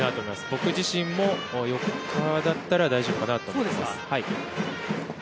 僕自身も４日だったら大丈夫かなと思います。